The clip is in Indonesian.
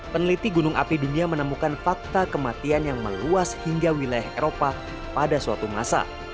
peneliti gunung api dunia menemukan fakta kematian yang meluas hingga wilayah eropa pada suatu masa